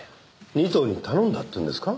仁藤に頼んだっていうんですか？